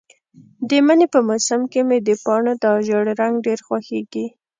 د مني په موسم کې مې د پاڼو دا ژېړ رنګ ډېر خوښیږي.